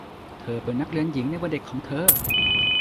เธอเป็นนักเรียนหญิงในวัยเด็กของเธอ